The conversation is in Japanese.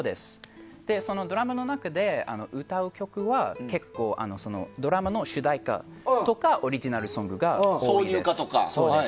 ドラマの中で歌う曲は結構、ドラマの主題歌とかオリジナルソングが多いです。